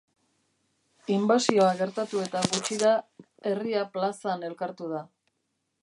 Inbasioa gertatu eta gutxira, herria plazan elkartu da.